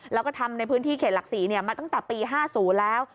แล้วก็ทำในพื้นที่เขตหลักศรีมาตั้งแต่ปี๕๐แล้ว